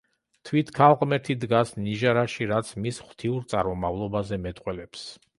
თვით ქალღმერთი დგას ნიჟარაში, რაც მის ღვთიურ წარმომავლობაზე მეტყველებს.